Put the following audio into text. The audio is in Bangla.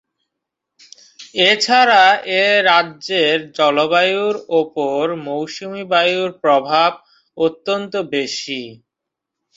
এছাড়া এই রাজ্যের জলবায়ুর উপর মৌসুমী বায়ুর প্রভাব অত্যন্ত বেশি।